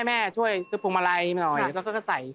แม่ช่วยซื้อพวงมาลัยหน่อยแล้วเขาก็ใส่